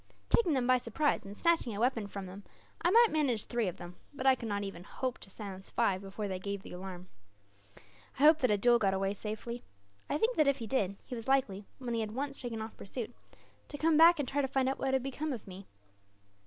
Taking them by surprise, and snatching a weapon from them, I might manage three of them; but I could not even hope to silence five, before they gave the alarm. "I hope that Abdool got away safely. I think that if he did, he was likely, when he had once shaken off pursuit, to come back and try to find out what had become of me.